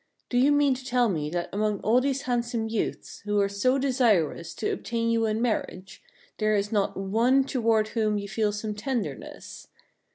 Do you mean to tell me that among all these handsome youths, who are so desirous to obtain you in marriage, there is not one toward whom you feel some ten derness?